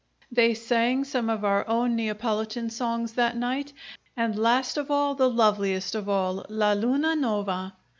They sang some of our own Neapolitan songs that night, and last of all the loveliest of all, "La Luna Nova."